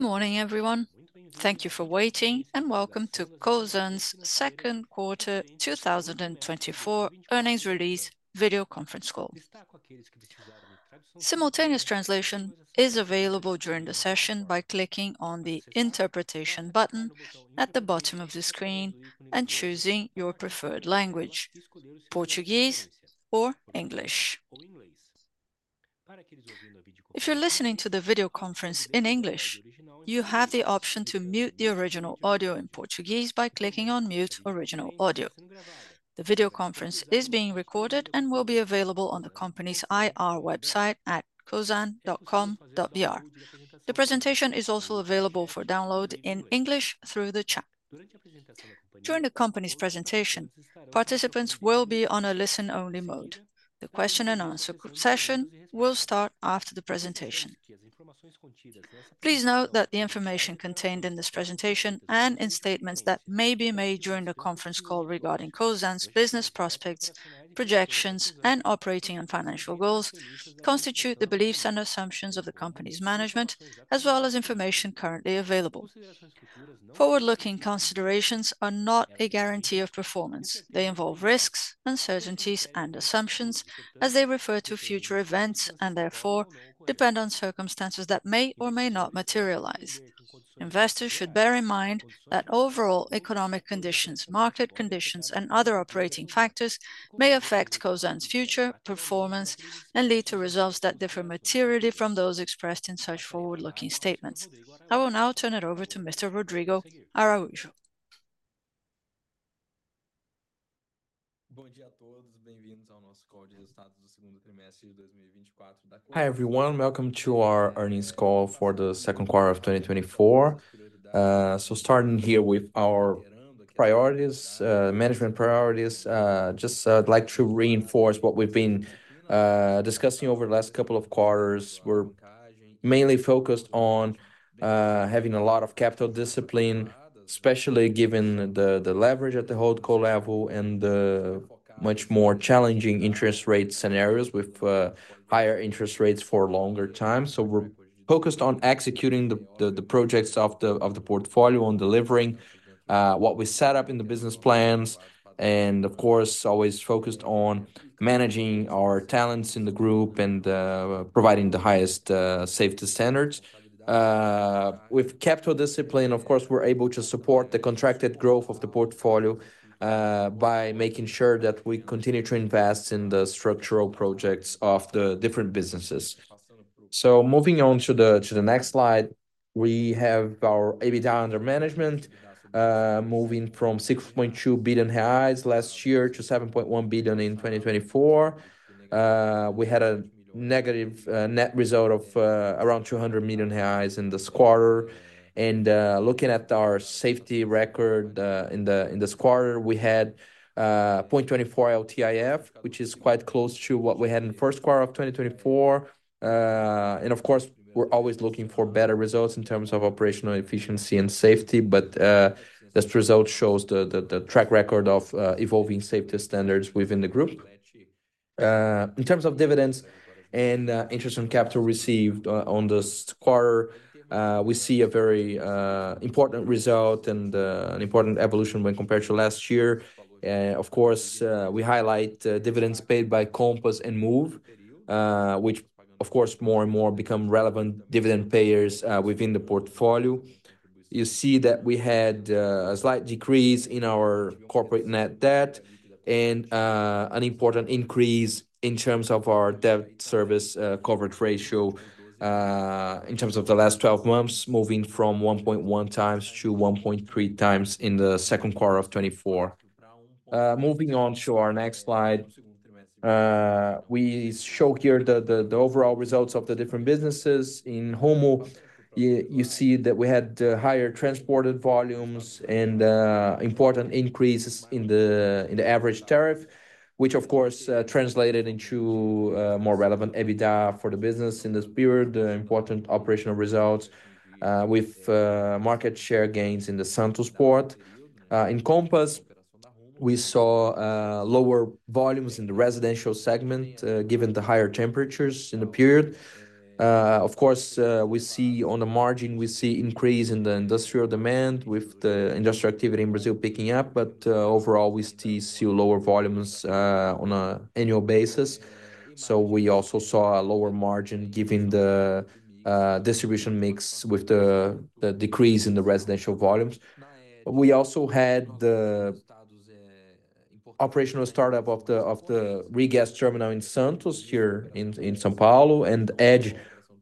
Good morning, everyone. Thank you for waiting, and welcome to Cosan's second quarter 2024 earnings release video conference call. Simultaneous translation is available during the session by clicking on the Interpretation button at the bottom of the screen and choosing your preferred language, Portuguese or English. If you're listening to the video conference in English, you have the option to mute the original audio in Portuguese by clicking on Mute Original Audio. The video conference is being recorded and will be available on the company's IR website at cosan.com.br. The presentation is also available for download in English through the chat. During the company's presentation, participants will be on a listen-only mode. The question-and-answer session will start after the presentation. Please note that the information contained in this presentation and in statements that may be made during the conference call regarding Cosan's business prospects, projections, and operating and financial goals, constitute the beliefs and assumptions of the company's management, as well as information currently available. Forward-looking considerations are not a guarantee of performance. They involve risks, uncertainties, and assumptions as they refer to future events, and therefore depend on circumstances that may or may not materialize. Investors should bear in mind that overall economic conditions, market conditions, and other operating factors may affect Cosan's future performance and lead to results that differ materially from those expressed in such forward-looking statements. I will now turn it over to Mr. Rodrigo Araújo. Hi, everyone. Welcome to our earnings call for the second quarter of 2024. So starting here with our priorities, management priorities, just, I'd like to reinforce what we've been discussing over the last couple of quarters. We're mainly focused on having a lot of capital discipline, especially given the leverage at the holdco level and the much more challenging interest rate scenarios with higher interest rates for longer time. So we're focused on executing the projects of the portfolio on delivering what we set up in the business plans, and of course, always focused on managing our talents in the group and providing the highest safety standards. With capital discipline, of course, we're able to support the contracted growth of the portfolio, by making sure that we continue to invest in the structural projects of the different businesses. So moving on to the next slide, we have our EBITDA under management, moving from 6.2 billion reais last year to 7.1 billion in 2024. We had a negative net result of around 200 million reais in this quarter. Looking at our safety record, in this quarter, we had 0.24 LTIF, which is quite close to what we had in the first quarter of 2024. Of course, we're always looking for better results in terms of operational efficiency and safety, but this result shows the track record of evolving safety standards within the group. In terms of dividends and interest on capital received on this quarter, we see a very important result and an important evolution when compared to last year. Of course, we highlight dividends paid by Compass and Moove, which of course, more and more become relevant dividend payers within the portfolio. You see that we had a slight decrease in our corporate net debt and an important increase in terms of our debt service coverage ratio in terms of the last 12 months, moving from 1.1 times to 1.3 times in the second quarter of 2024. Moving on to our next slide, we show here the overall results of the different businesses. In Rumo, you see that we had higher transported volumes and important increases in the average tariff, which of course translated into more relevant EBITDA for the business in this period. Important operational results with market share gains in the Santos Port. In Compass, we saw lower volumes in the residential segment given the higher temperatures in the period. Of course, we see on the margin, we see increase in the industrial demand with the industrial activity in Brazil picking up, but overall, we still see lower volumes on an annual basis. So we also saw a lower margin, given the distribution mix with the decrease in the residential volumes. We also had the operational start-up of the regas terminal in Santos, here in São Paulo, and Edge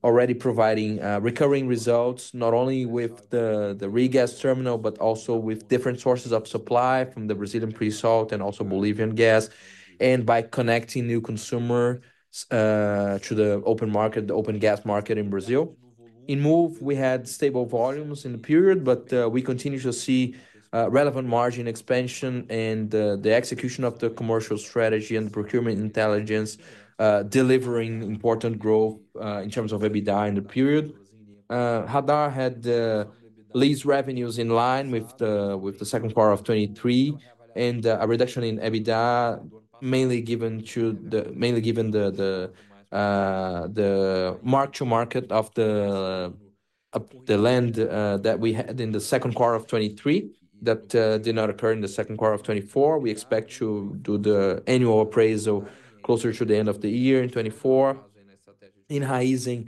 already providing recurring results, not only with the regas terminal, but also with different sources of supply from the Brazilian pre-salt and also Bolivian gas, and by connecting new consumer to the open market, the open gas market in Brazil. In Moove, we had stable volumes in the period, but we continue to see relevant margin expansion and the execution of the commercial strategy and procurement intelligence delivering important growth in terms of EBITDA in the period. Raízen had lease revenues in line with the second quarter of 2023, and a reduction in EBITDA du-... mainly given the mark to market of the land that we had in the second quarter of 2023, that did not occur in the second quarter of 2024. We expect to do the annual appraisal closer to the end of the year in 2024. In Raízen,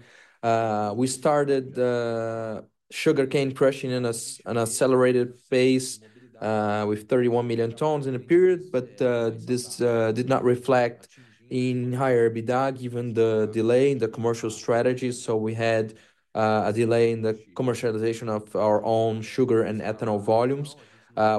we started sugarcane crushing in an accelerated phase with 31 million tons in a period, but this did not reflect in higher EBITDA, given the delay in the commercial strategy. So we had a delay in the commercialization of our own sugar and ethanol volumes,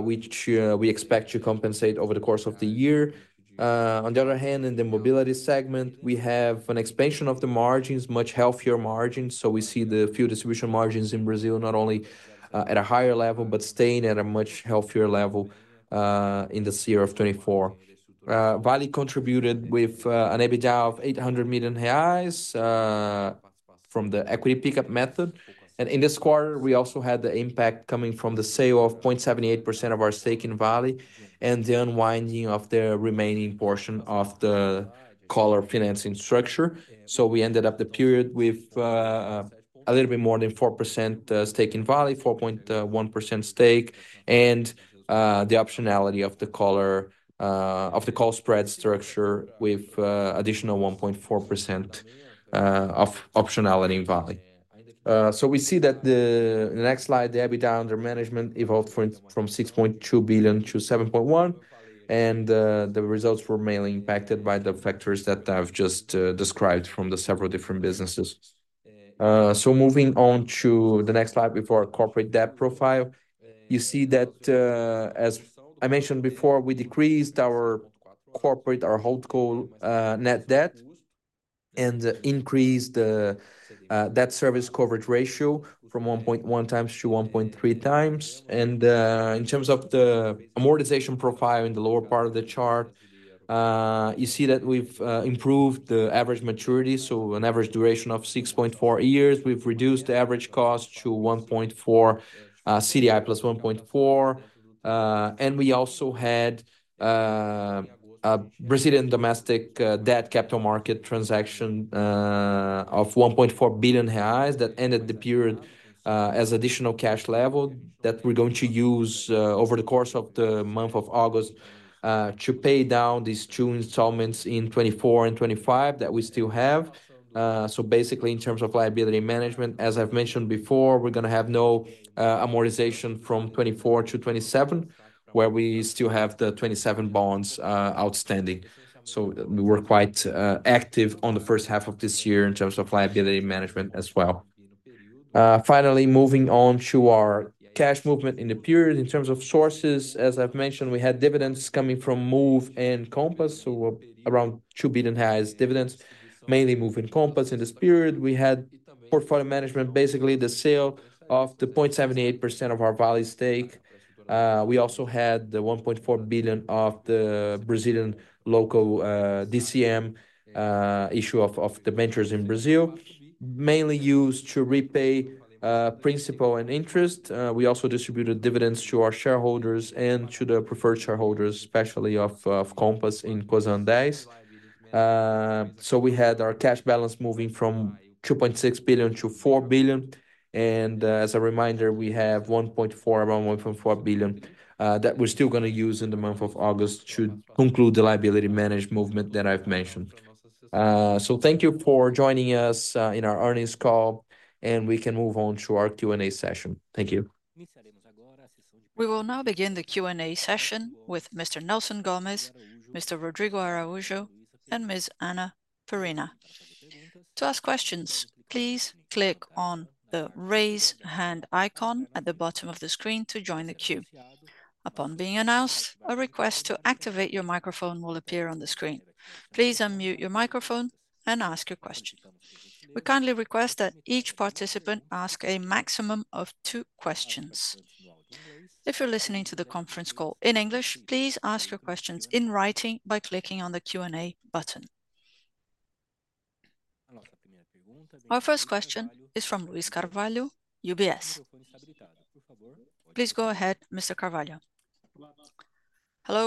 which we expect to compensate over the course of the year. On the other hand, in the mobility segment, we have an expansion of the margins, much healthier margins, so we see the fuel distribution margins in Brazil, not only at a higher level, but staying at a much healthier level, in this year of 2024. Vale contributed with an EBITDA of 800 million reais from the equity pickup method. And in this quarter, we also had the impact coming from the sale of 0.78% of our stake in Vale, and the unwinding of the remaining portion of the collar financing structure. So we ended up the period with a little bit more than 4% stake in Vale, 4.1% stake, and the optionality of the collar of the call spread structure with additional 1.4% of optionality in Vale. So we see that. In the next slide, the EBITDA under management evolved from 6.2 billion-7.1 billion, and the results were mainly impacted by the factors that I've just described from the several different businesses. So moving on to the next slide with our corporate debt profile, you see that, as I mentioned before, we decreased our corporate, our holdco, net debt, and increased the debt service coverage ratio from 1.1 times to 1.3 times. In terms of the amortization profile in the lower part of the chart, you see that we've improved the average maturity, so an average duration of 6.4 years. We've reduced the average cost to 1.4 CDI plus 1.4. And we also had a Brazilian domestic debt capital market transaction of 1.4 billion reais that ended the period as additional cash level that we're going to use over the course of the month of August to pay down these two installments in 2024 and 2025 that we still have. So basically, in terms of liability management, as I've mentioned before, we're gonna have no amortization from 2024 to 2027, where we still have the 2027 bonds outstanding. So we were quite active on the first half of this year in terms of liability management as well. Finally, moving on to our cash movement in the period. In terms of sources, as I've mentioned, we had dividends coming from Moove and Compass, so around 2 billion dividends, mainly Moove and Compass. In this period, we had portfolio management, basically the sale of the 0.78% of our Vale stake. We also had the 1.4 billion of the Brazilian local DCM issue of debentures in Brazil, mainly used to repay principal and interest. We also distributed dividends to our shareholders and to the preferred shareholders, especially of Compass in Poços de Caldas. So we had our cash balance moving from 2.6 billion to 4 billion, and, as a reminder, we have 1.4 billion, around 1.4 billion, that we're still gonna use in the month of August to conclude the liability management movement that I've mentioned. So thank you for joining us, in our earnings call, and we can move on to our Q&A session. Thank you. We will now begin the Q&A session with Mr. Nelson Gomes, Mr. Rodrigo Araújo, and Ms. Ana Perina. To ask questions, please click on the Raise Hand icon at the bottom of the screen to join the queue. Upon being announced, a request to activate your microphone will appear on the screen. Please unmute your microphone and ask your question. We kindly request that each participant ask a maximum of two questions. If you're listening to the conference call in English, please ask your questions in writing by clicking on the Q&A button. Our first question is from Luiz Carvalho, UBS. Please go ahead, Mr. Carvalho. Hello?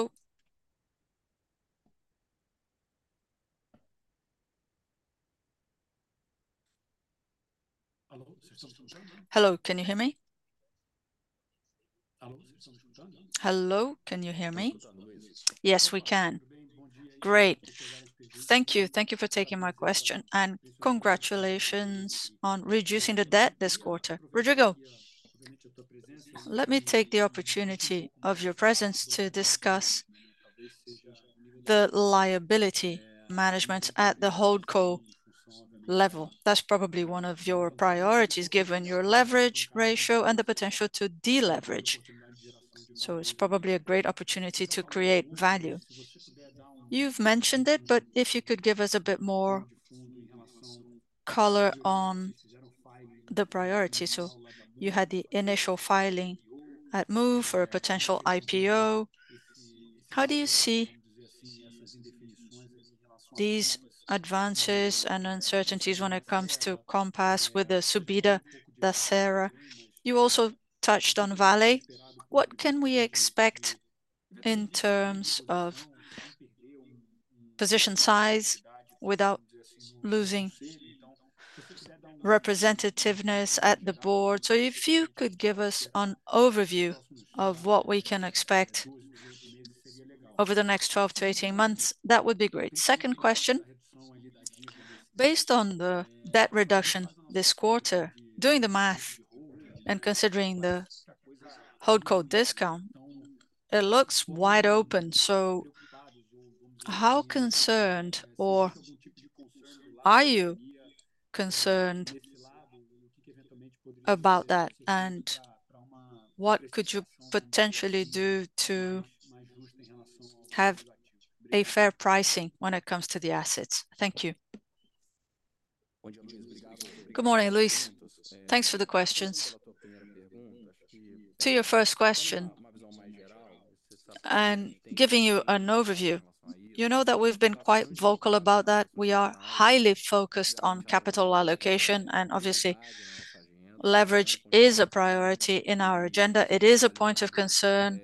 Hello, can you hear me? Hello, can you hear me? Yes, we can. Great. Thank you. Thank you for taking my question, and congratulations on reducing the debt this quarter. Rodrigo, let me take the opportunity of your presence to discuss the liability management at the holdco level. That's probably one of your priorities, given your leverage ratio and the potential to deleverage, so it's probably a great opportunity to create value. You've mentioned it, but if you could give us a bit more color on the priority. So you had the initial filing at Moove for a potential IPO. How do you see the-?... these advances and uncertainties when it comes to Compass with the Subida da Serra. You also touched on Vale. What can we expect in terms of position size without losing representativeness at the board? So if you could give us an overview of what we can expect over the next 12 to 18 months, that would be great. Second question: based on the debt reduction this quarter, doing the math and considering the holdco discount, it looks wide open. So how concerned, or are you concerned about that? And what could you potentially do to have a fair pricing when it comes to the assets? Thank you. Good morning, Luiz. Thanks for the questions. To your first question, and giving you an overview, you know that we've been quite vocal about that. We are highly focused on capital allocation, and obviously, leverage is a priority in our agenda. It is a point of concern.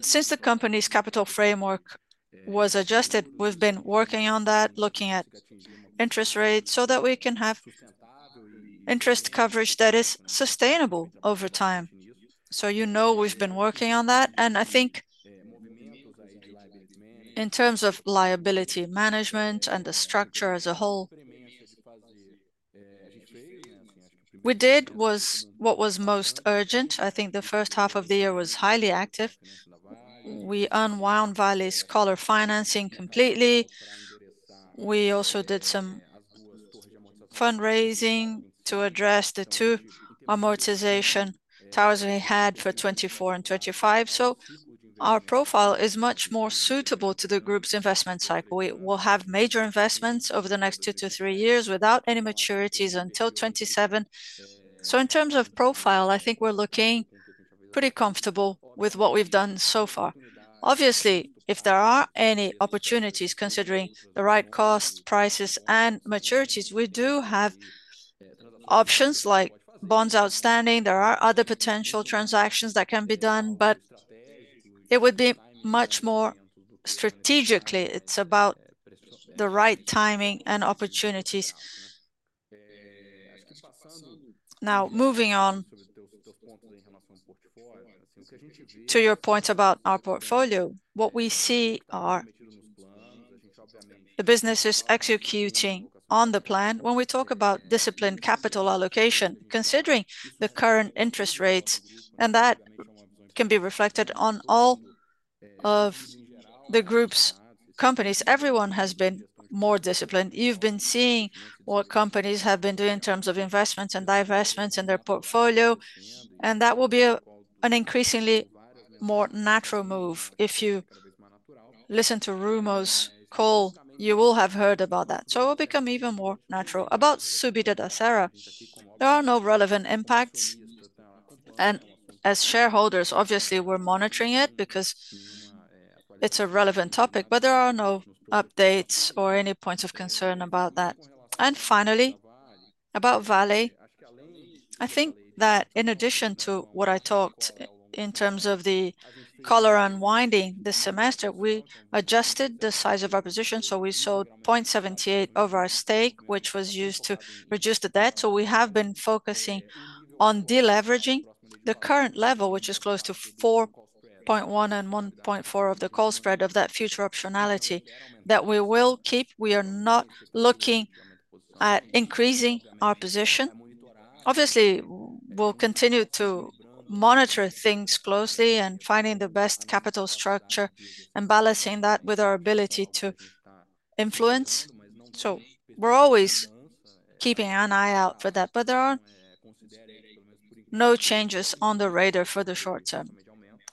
Since the company's capital framework was adjusted, we've been working on that, looking at interest rates, so that we can have interest coverage that is sustainable over time. So you know, we've been working on that, and I think in terms of liability management and the structure as a whole, we did was what was most urgent. I think the first half of the year was highly active. We unwound Vale's collar financing completely. We also did some fundraising to address the two amortization towers we had for 2024 and 2025. So our profile is much more suitable to the group's investment cycle. We will have major investments over the next two to three years, without any maturities until 2027. So in terms of profile, I think we're looking pretty comfortable with what we've done so far. Obviously, if there are any opportunities, considering the right cost, prices, and maturities, we do have options like bonds outstanding. There are other potential transactions that can be done, but it would be much more strategically. It's about the right timing and opportunities. Now, moving on to your point about our portfolio, what we see are the businesses executing on the plan. When we talk about disciplined capital allocation, considering the current interest rates, and that can be reflected on all of the group's companies, everyone has been more disciplined. You've been seeing what companies have been doing in terms of investments and divestments in their portfolio, and that will be an increasingly more natural move. If you listen to Rumo's call, you will have heard about that, so it will become even more natural. About Subida da Serra, there are no relevant impacts, and as shareholders, obviously we're monitoring it because it's a relevant topic, but there are no updates or any points of concern about that. Finally, about Vale, I think that in addition to what I talked in terms of the collar unwinding this semester, we adjusted the size of our position, so we sold 0.78 of our stake, which was used to reduce the debt. So we have been focusing on de-leveraging the current level, which is close to 4.1 and 1.4 of the call spread of that future optionality that we will keep. We are not looking at increasing our position. Obviously, we'll continue to monitor things closely and finding the best capital structure and balancing that with our ability to influence. So we're always keeping an eye out for that, but there are no changes on the radar for the short term.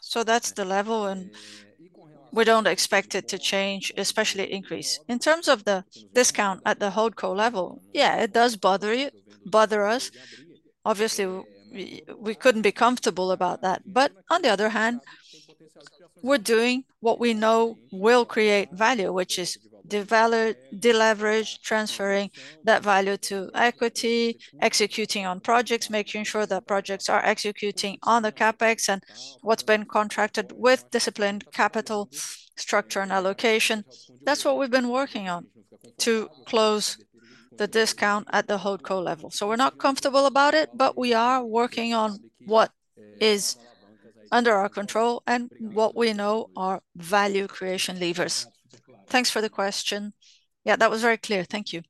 So that's the level, and we don't expect it to change, especially increase. In terms of the discount at the holdco level, yeah, it does bother you, bother us. Obviously, we couldn't be comfortable about that. But on the other hand, we're doing what we know will create value, which is the value de-leverage, transferring that value to equity, executing on projects, making sure that projects are executing on the CapEx, and what's been contracted with disciplined capital structure and allocation. That's what we've been working on, to close the discount at the holdco level. So we're not comfortable about it, but we are working on what is under our control and what we know are value creation levers. Thanks for the question. Yeah, that was very clear. Thank you.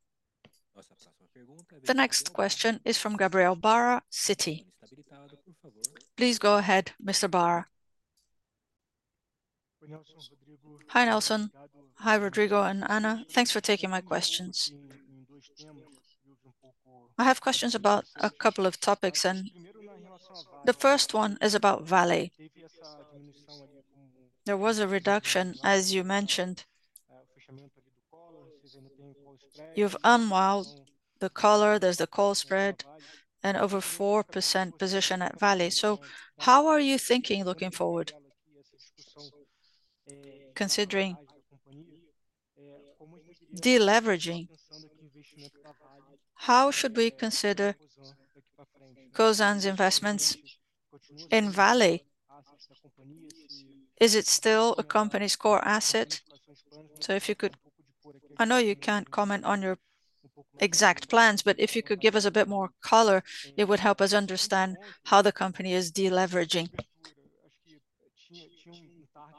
The next question is from Gabriel Barra, Citi. Please go ahead, Mr. Barra. Hi, Nelson. Hi, Rodrigo and Ana. Thanks for taking my questions. I have questions about a couple of topics, and the first one is about Vale. There was a reduction, as you mentioned. You've unwound the collar, there's the call spread, and over 4% position at Vale. So how are you thinking looking forward, considering de-leveraging? How should we consider Cosan's investments in Vale? Is it still a company's core asset? So if you could- I know you can't comment on your exact plans, but if you could give us a bit more color, it would help us understand how the company is de-leveraging.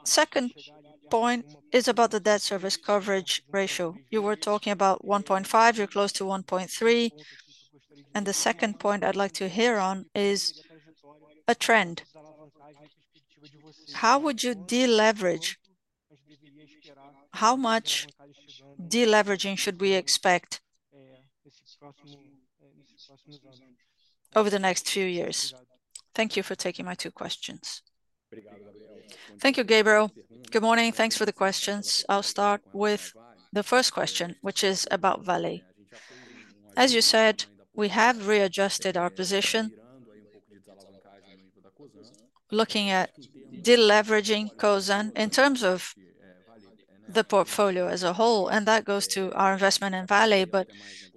Second point is about the debt service coverage ratio. You were talking about 1.5, you're close to 1.3, and the second point I'd like to hear on is a trend. How would you de-leverage? How much de-leveraging should we expect over the next few years? Thank you for taking my two questions. Thank you, Gabriel. Good morning, thanks for the questions. I'll start with the first question, which is about Vale. As you said, we have readjusted our position, looking at de-leveraging Cosan in terms of the portfolio as a whole, and that goes to our investment in Vale, but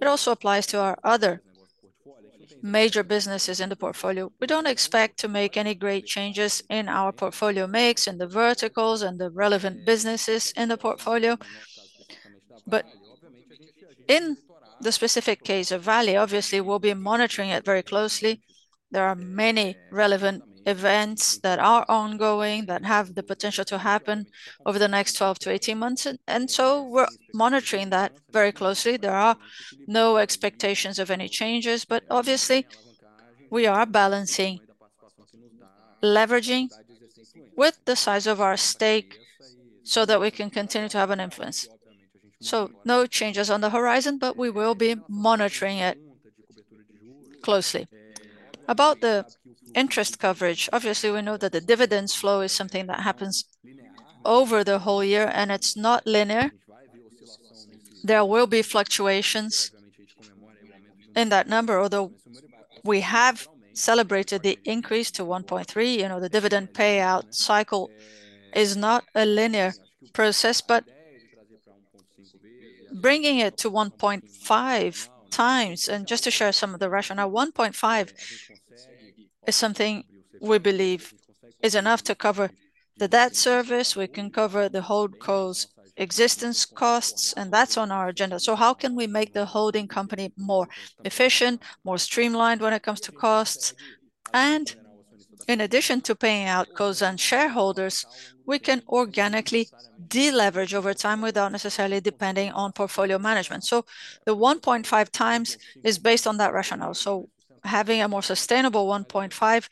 it also applies to our other major businesses in the portfolio. We don't expect to make any great changes in our portfolio mix, and the verticals, and the relevant businesses in the portfolio. But in the specific case of Vale, obviously, we'll be monitoring it very closely. There are many relevant events that are ongoing that have the potential to happen over the next 12 to 18 months, and so we're monitoring that very closely. There are no expectations of any changes, but obviously, we are balancing leveraging with the size of our stake so that we can continue to have an influence. So no changes on the horizon, but we will be monitoring it closely. About the interest coverage, obviously, we know that the dividends flow is something that happens over the whole year, and it's not linear. There will be fluctuations in that number, although we have celebrated the increase to 1.3, you know, the dividend payout cycle is not a linear process. But bringing it to 1.5 times... Just to share some of the rationale, 1.5 is something we believe is enough to cover the debt service. We can cover the holdco's existence costs, and that's on our agenda. So how can we make the holding company more efficient, more streamlined when it comes to costs? And in addition to paying out Cosan shareholders, we can organically de-leverage over time without necessarily depending on portfolio management. So the 1.5 times is based on that rationale, so having a more sustainable 1.5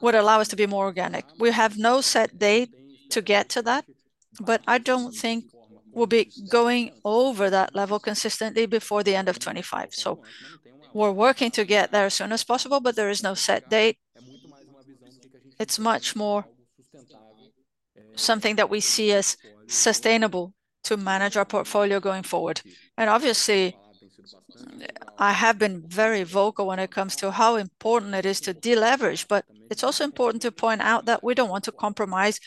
would allow us to be more organic. We have no set date to get to that, but I don't think we'll be going over that level consistently before the end of 2025. So we're working to get there as soon as possible, but there is no set date. It's much more something that we see as sustainable to manage our portfolio going forward. And obviously, I have been very vocal when it comes to how important it is to de-leverage, but it's also important to point out that we don't want to compromise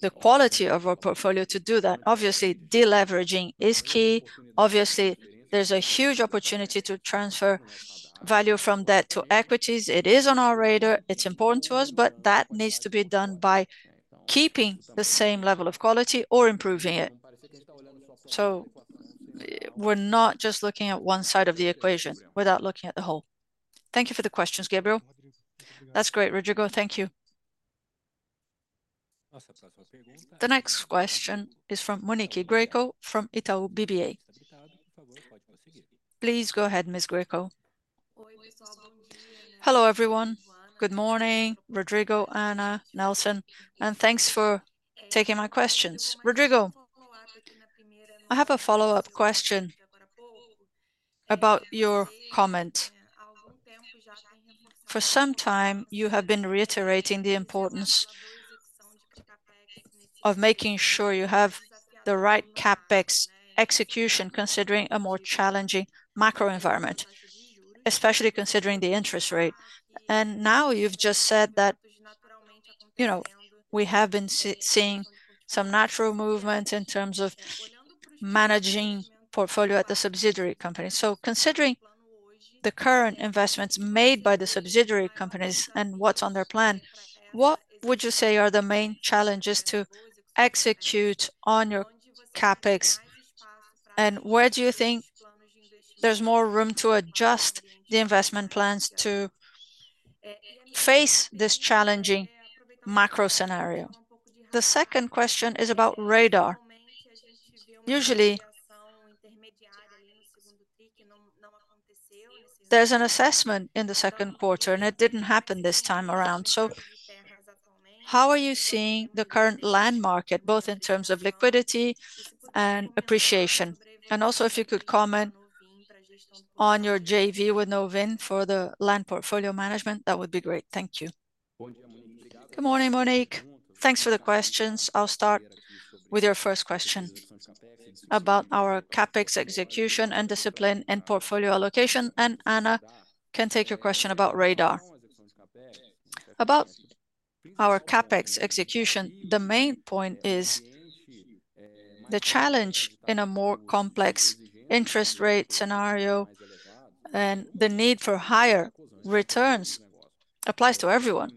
the quality of our portfolio to do that. Obviously, de-leveraging is key. Obviously, there's a huge opportunity to transfer value from debt to equities. It is on our radar, it's important to us, but that needs to be done by keeping the same level of quality or improving it. So we're not just looking at one side of the equation without looking at the whole. Thank you for the questions, Gabriel. That's great, Rodrigo. Thank you. The next question is from Monique Greco from Itaú BBA. Please go ahead, Ms. Greco. Hello, everyone. Good morning, Rodrigo, Ana, Nelson, and thanks for taking my questions. Rodrigo, I have a follow-up question about your comment. For some time, you have been reiterating the importance of making sure you have the right CapEx execution, considering a more challenging macro environment, especially considering the interest rate. And now you've just said that, you know, we have been seeing some natural movements in terms of managing portfolio at the subsidiary company. So considering the current investments made by the subsidiary companies and what's on their plan, what would you say are the main challenges to execute on your CapEx, and where do you think there's more room to adjust the investment plans to face this challenging macro scenario? The second question is about Radar. Usually, there's an assessment in the second quarter, and it didn't happen this time around. So how are you seeing the current land market, both in terms of liquidity and appreciation? Also, if you could comment on your JV with Nuveen for the land portfolio management, that would be great. Thank you. Good morning, Monique. Thanks for the questions. I'll start with your first question about our CapEx execution and discipline and portfolio allocation, and Ana can take your question about Radar. About our CapEx execution, the main point is the challenge in a more complex interest rate scenario, and the need for higher returns applies to everyone,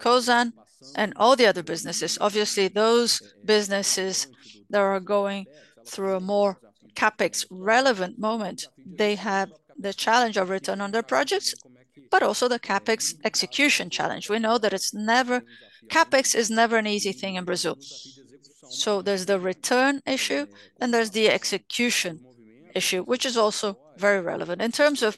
Cosan and all the other businesses. Obviously, those businesses that are going through a more CapEx-relevant moment, they have the challenge of return on their projects, but also the CapEx execution challenge. We know that it's never. CapEx is never an easy thing in Brazil. So there's the return issue, and there's the execution issue, which is also very relevant. In terms of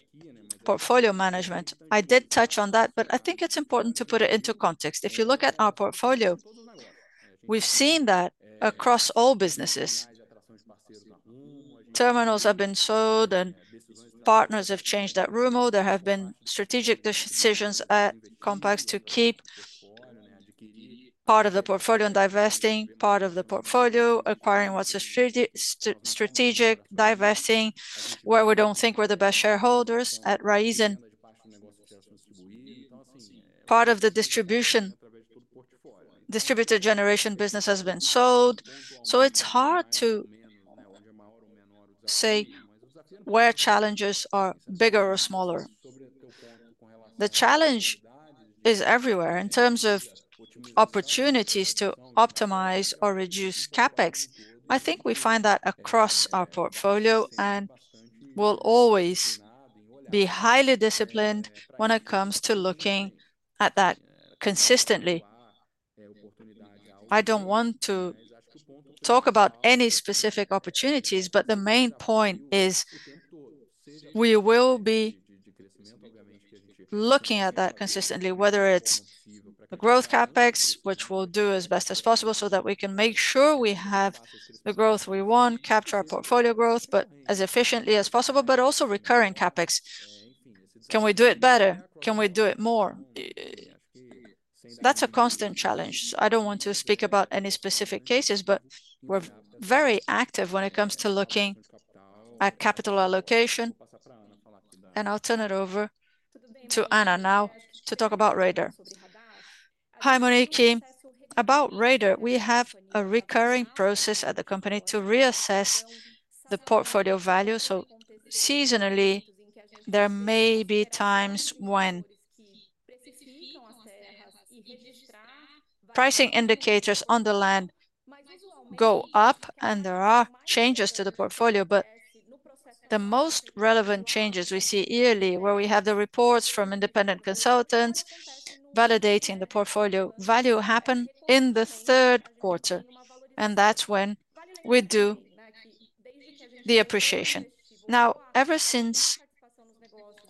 portfolio management, I did touch on that, but I think it's important to put it into context. If you look at our portfolio, we've seen that across all businesses, terminals have been sold and partners have changed at Rumo. There have been strategic decisions at Compass to keep part of the portfolio and divesting part of the portfolio, acquiring what's strategic, divesting where we don't think we're the best shareholders. At Raízen, part of the distribution, distributed generation business has been sold. So it's hard to say where challenges are bigger or smaller. The challenge is everywhere. In terms of opportunities to optimize or reduce CapEx, I think we find that across our portfolio and will always be highly disciplined when it comes to looking at that consistently. I don't want to talk about any specific opportunities, but the main point is, we will be looking at that consistently, whether it's the growth CapEx, which we'll do as best as possible so that we can make sure we have the growth we want, capture our portfolio growth, but as efficiently as possible, but also recurring CapEx. Can we do it better? Can we do it more? That's a constant challenge. I don't want to speak about any specific cases, but we're very active when it comes to looking at capital allocation. And I'll turn it over to Ana now to talk about Radar. Hi, Monique. About Radar, we have a recurring process at the company to reassess the portfolio value. So seasonally, there may be times when pricing indicators on the land go up and there are changes to the portfolio. But the most relevant changes we see yearly, where we have the reports from independent consultants validating the portfolio value, happen in the third quarter, and that's when we do the appreciation. Now, ever since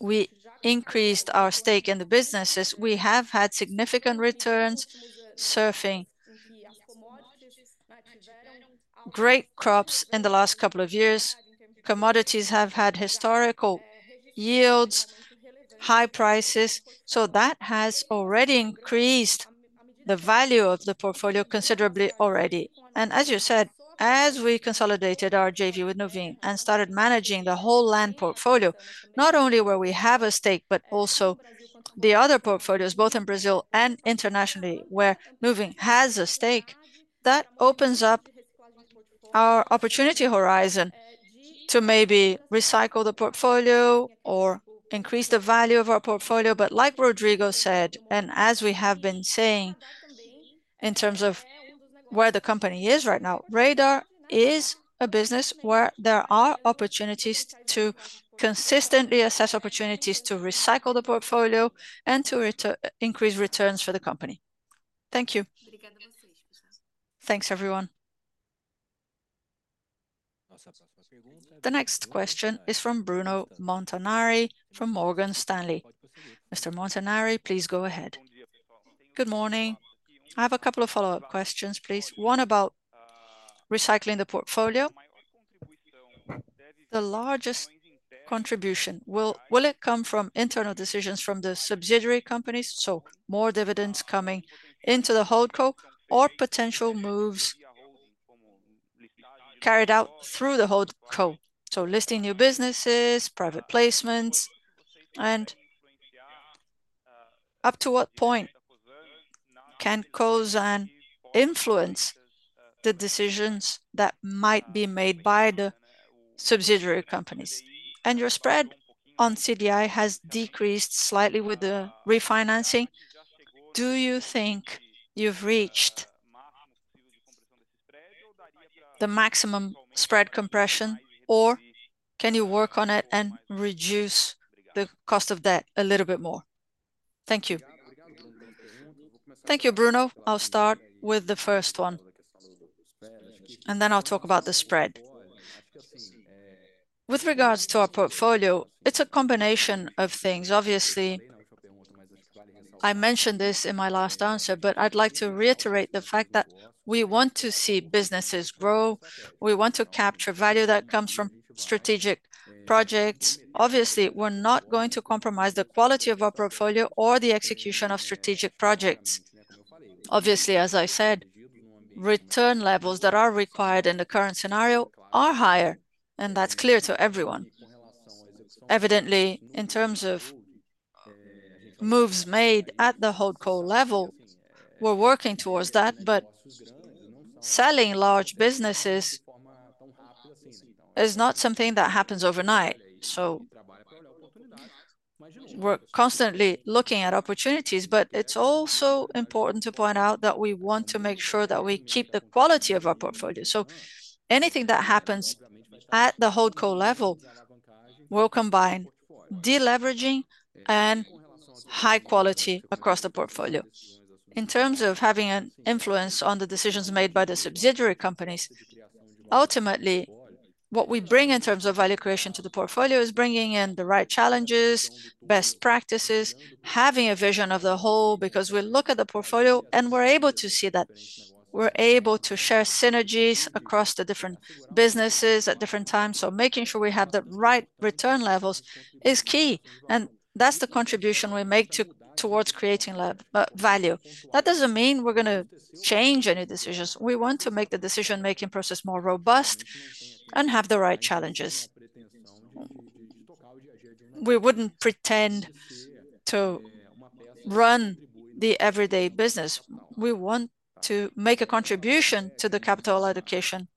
we increased our stake in the businesses, we have had significant returns, surfing great crops in the last couple of years. Commodities have had historical yields, high prices, so that has already increased the value of the portfolio considerably already. And as you said, as we consolidated our JV with Nuveen and started managing the whole land portfolio, not only where we have a stake, but also the other portfolios, both in Brazil and internationally, where Nuveen has a stake, that opens up our opportunity horizon to maybe recycle the portfolio or increase the value of our portfolio. But like Rodrigo said, and as we have been saying, in terms of where the company is right now, Radar is a business where there are opportunities to consistently assess opportunities to recycle the portfolio and to increase returns for the company. Thank you. Thanks, everyone. The next question is from Bruno Montanari, from Morgan Stanley. Mr. Montanari, please go ahead. Good morning. I have a couple of follow-up questions, please. One about, recycling the portfolio. The largest contribution, will it come from internal decisions from the subsidiary companies, so more dividends coming into the holdco, or potential moves carried out through the holdco? So listing new businesses, private placements. And up to what point can Cosan influence the decisions that might be made by the subsidiary companies? And your spread on CDI has decreased slightly with the refinancing. Do you think you've reached the maximum spread compression, or can you work on it and reduce the cost of debt a little bit more? Thank you. Thank you, Bruno. I'll start with the first one, and then I'll talk about the spread. With regards to our portfolio, it's a combination of things. Obviously, I mentioned this in my last answer, but I'd like to reiterate the fact that we want to see businesses grow. We want to capture value that comes from strategic projects. Obviously, we're not going to compromise the quality of our portfolio or the execution of strategic projects. Obviously, as I said, return levels that are required in the current scenario are higher, and that's clear to everyone. Evidently, in terms of moves made at the holdco level, we're working towards that, but selling large businesses is not something that happens overnight. So we're constantly looking at opportunities, but it's also important to point out that we want to make sure that we keep the quality of our portfolio. So anything that happens at the holdco level will combine de-leveraging and high quality across the portfolio. In terms of having an influence on the decisions made by the subsidiary companies, ultimately, what we bring in terms of value creation to the portfolio is bringing in the right challenges, best practices, having a vision of the whole, because we look at the portfolio and we're able to see that. We're able to share synergies across the different businesses at different times, so making sure we have the right return levels is key, and that's the contribution we make towards creating value. That doesn't mean we're gonna change any decisions. We want to make the decision-making process more robust and have the right challenges. We wouldn't pretend to run the everyday business. We want to make a contribution to the capital allocation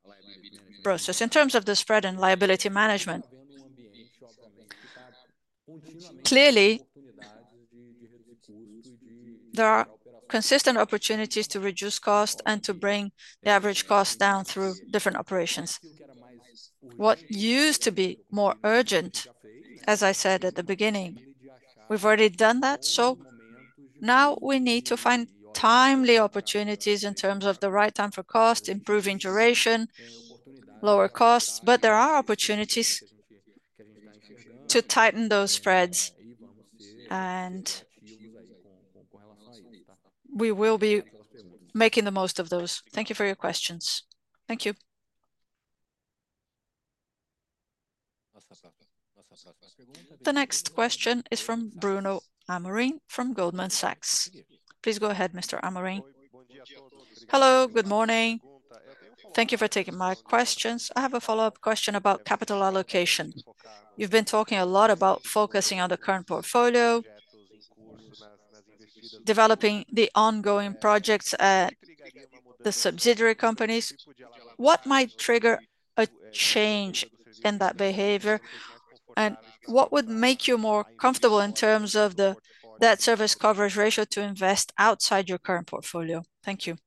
process. In terms of the spread and liability management, clearly, there are consistent opportunities to reduce cost and to bring the average cost down through different operations. What used to be more urgent, as I said at the beginning, we've already done that, so now we need to find timely opportunities in terms of the right time for cost, improving duration, lower costs, but there are opportunities to tighten those spreads, and we will be making the most of those. Thank you for your questions. Thank you. The next question is from Bruno Amorim, from Goldman Sachs. Please go ahead, Mr. Amorim. Hello, good morning. Thank you for taking my questions. I have a follow-up question about capital allocation. You've been talking a lot about focusing on the current portfolio, developing the ongoing projects at the subsidiary companies. What might trigger a change in that behavior? And what would make you more comfortable in terms of the, that service coverage ratio to invest outside your current portfolio? Thank you.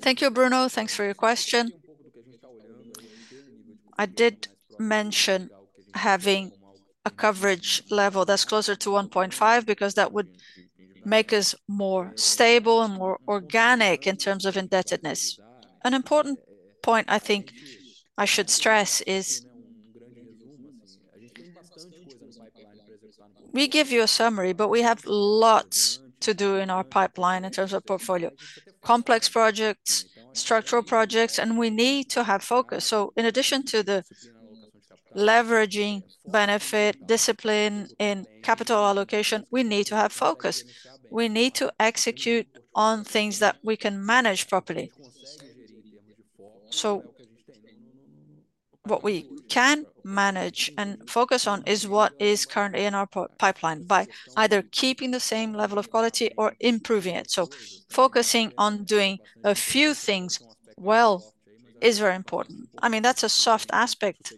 Thank you, Bruno. Thanks for your question. I did mention having a coverage level that's closer to 1.5, because that would make us more stable and more organic in terms of indebtedness. An important point I think I should stress is... We give you a summary, but we have lots to do in our pipeline in terms of portfolio. Complex projects, structural projects, and we need to have focus. So in addition to the leveraging, benefit, discipline, and capital allocation, we need to have focus. We need to execute on things that we can manage properly. So what we can manage and focus on is what is currently in our pipeline, by either keeping the same level of quality or improving it. So focusing on doing a few things well is very important. I mean, that's a soft aspect,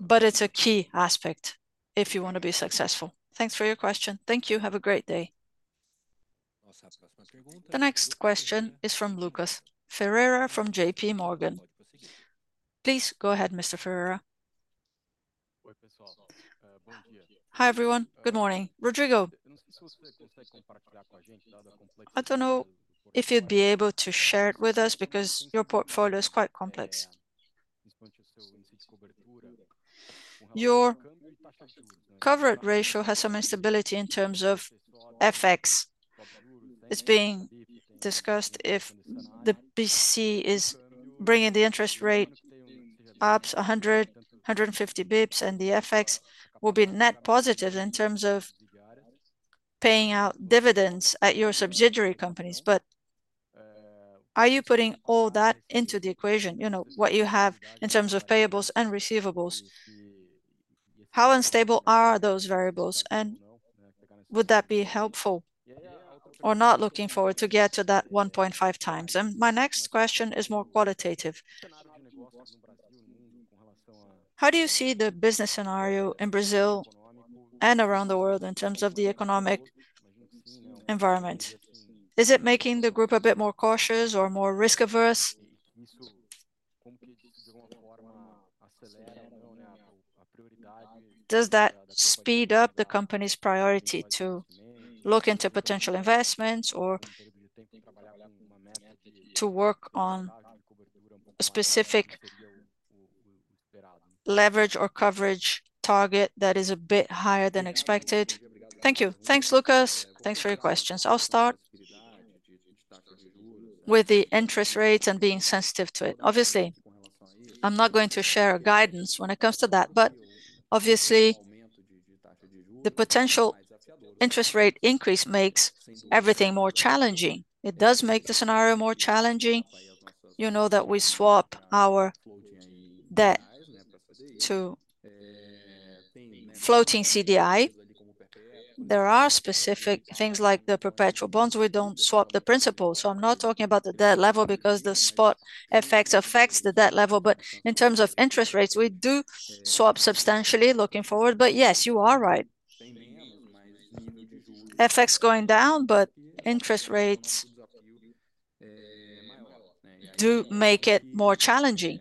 but it's a key aspect if you want to be successful. Thanks for your question. Thank you. Have a great day. The next question is from Lucas Ferreira from JPMorgan. Please go ahead, Mr. Ferreira. Hi, everyone. Good morning. Rodrigo, I don't know if you'd be able to share it with us, because your portfolio is quite complex. Your coverage ratio has some instability in terms of FX. It's being discussed if the BC is bringing the interest rate up 100, 150 basis points, and the FX will be net positive in terms of paying out dividends at your subsidiary companies. But, are you putting all that into the equation, you know, what you have in terms of payables and receivables? How unstable are those variables, and would that be helpful or not looking forward to get to that 1.5 times? And my next question is more qualitative: How do you see the business scenario in Brazil and around the world in terms of the economic environment? Is it making the group a bit more cautious or more risk-averse? Does that speed up the company's priority to look into potential investments or to work on a specific leverage or coverage target that is a bit higher than expected. Thank you. Thanks, Lucas. Thanks for your questions. I'll start with the interest rates and being sensitive to it. Obviously, I'm not going to share a guidance when it comes to that, but obviously, the potential interest rate increase makes everything more challenging. It does make the scenario more challenging. You know that we swap our debt to floating CDI. There are specific things like the perpetual bonds. We don't swap the principal, so I'm not talking about the debt level because the spot affects, affects the debt level. But in terms of interest rates, we do swap substantially looking forward. But yes, you are right. Effects going down, but interest rates do make it more challenging.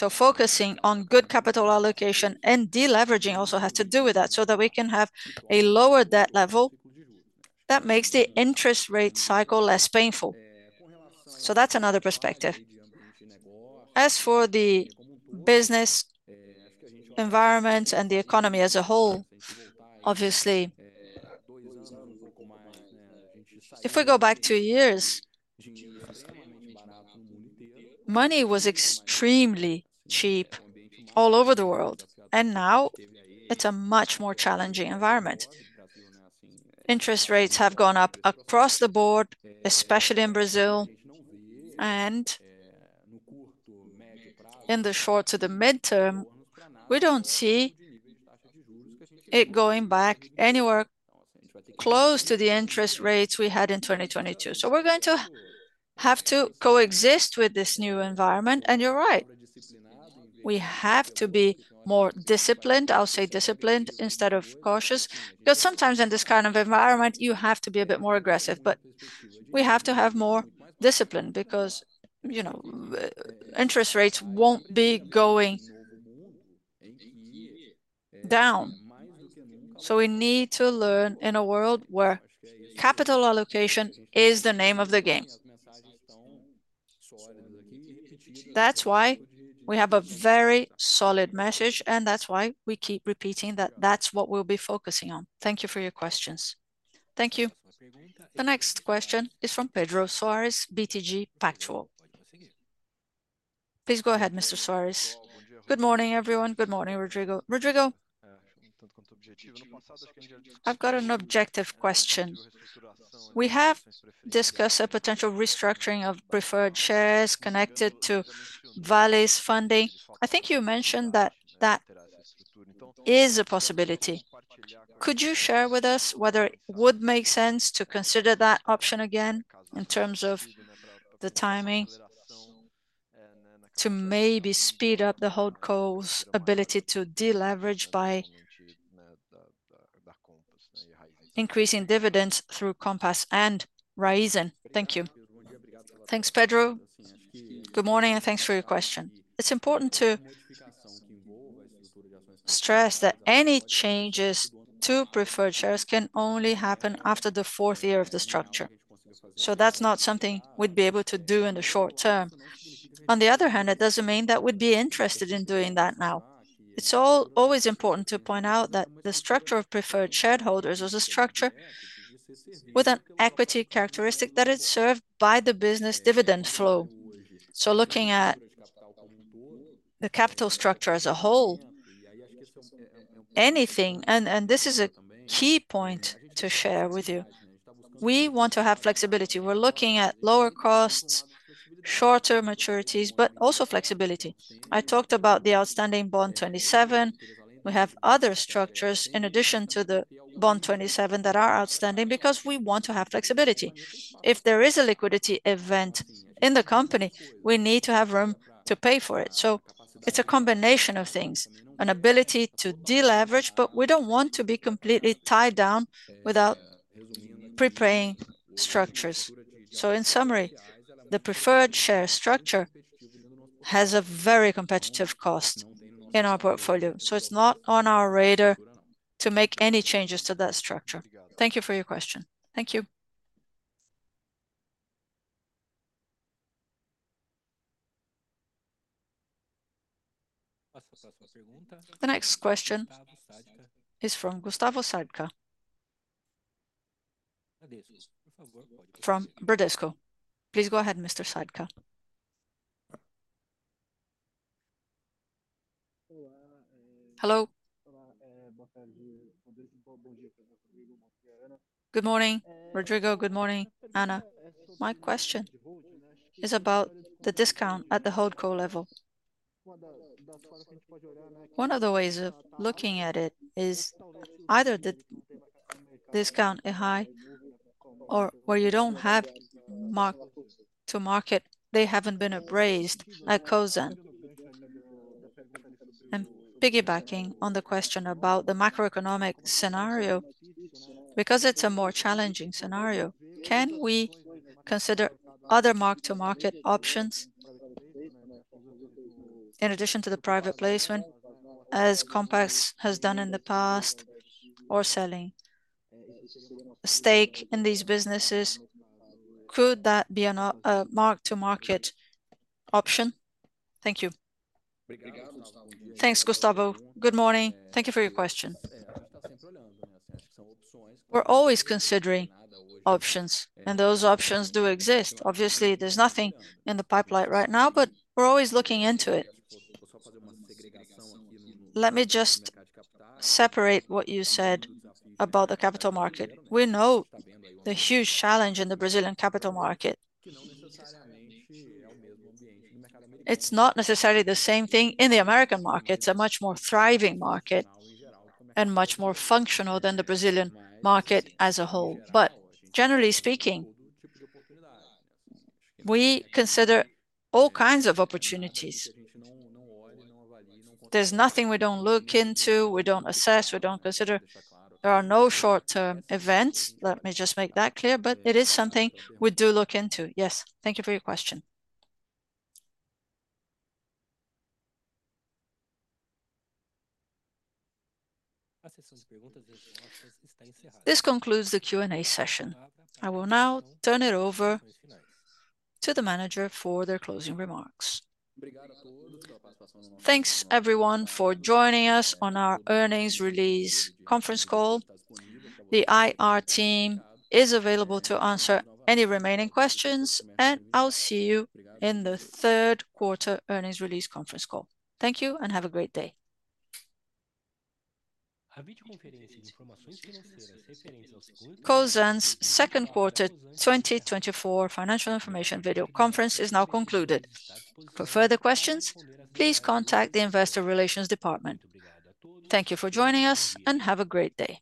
So focusing on good capital allocation and de-leveraging also has to do with that, so that we can have a lower debt level that makes the interest rate cycle less painful. So that's another perspective. As for the business environment and the economy as a whole, obviously, if we go back two years, money was extremely cheap all over the world, and now it's a much more challenging environment. Interest rates have gone up across the board, especially in Brazil, and in the short to the midterm, we don't see it going back anywhere close to the interest rates we had in 2022. So we're going to have to coexist with this new environment. And you're right, we have to be more disciplined. I'll say disciplined instead of cautious, because sometimes in this kind of environment, you have to be a bit more aggressive. But we have to have more discipline because, you know, interest rates won't be going down. So we need to learn in a world where capital allocation is the name of the game. That's why we have a very solid message, and that's why we keep repeating that that's what we'll be focusing on. Thank you for your questions. Thank you. The next question is from Pedro Soares, BTG Pactual. Please go ahead, Mr. Soares. Good morning, everyone. Good morning, Rodrigo. Rodrigo, I've got an objective question. We have discussed a potential restructuring of preferred shares connected to Vale's funding. I think you mentioned that that is a possibility. Could you share with us whether it would make sense to consider that option again, in terms of the timing, to maybe speed up the holdco's ability to de-leverage by increasing dividends through Compass and Raízen? Thank you. Thanks, Pedro. Good morning, and thanks for your question. It's important to stress that any changes to preferred shares can only happen after the fourth year of the structure. So that's not something we'd be able to do in the short term. On the other hand, it doesn't mean that we'd be interested in doing that now. It's always important to point out that the structure of preferred shareholders is a structure with an equity characteristic that is served by the business dividend flow. So looking at the capital structure as a whole, anything... And this is a key point to share with you. We want to have flexibility. We're looking at lower costs, shorter maturities, but also flexibility. I talked about the outstanding Bond 27. We have other structures in addition to the Bond 27 that are outstanding because we want to have flexibility. If there is a liquidity event in the company, we need to have room to pay for it. So it's a combination of things, an ability to de-leverage, but we don't want to be completely tied down without preparing structures. So in summary, the preferred share structure has a very competitive cost in our portfolio, so it's not on our radar to make any changes to that structure. Thank you for your question. Thank you. The next question is from Gustavo Sadka, from Bradesco. Please go ahead, Mr. Sadka. Hello. Good morning, Rodrigo. Good morning, Ana. My question is about the discount at the holdco level. One of the ways of looking at it is either the discount is high or where you don't have mark-to-market, they haven't been appraised at Cosan. I'm piggybacking on the question about the macroeconomic scenario, because it's a more challenging scenario. Can we consider other mark-to-market options?... In addition to the private placement, as Compass has done in the past, or selling a stake in these businesses, could that be a mark-to-market option? Thank you. Thanks, Gustavo. Good morning. Thank you for your question. We're always considering options, and those options do exist. Obviously, there's nothing in the pipeline right now, but we're always looking into it. Let me just separate what you said about the capital market. We know the huge challenge in the Brazilian capital market. It's not necessarily the same thing in the American market. It's a much more thriving market and much more functional than the Brazilian market as a whole. But generally speaking, we consider all kinds of opportunities. There's nothing we don't look into, we don't assess, we don't consider. There are no short-term events, let me just make that clear, but it is something we do look into. Yes, thank you for your question. This concludes the Q&A session. I will now turn it over to the manager for their closing remarks. Thanks everyone for joining us on our earnings release conference call. The IR team is available to answer any remaining questions, and I'll see you in the third quarter earnings release conference call. Thank you, and have a great day. Cosan's second quarter 2024 financial information video conference is now concluded. For further questions, please contact the Investor Relations Department. Thank you for joining us, and have a great day.